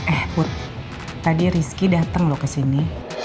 eh put tadi rizky dateng lo kesini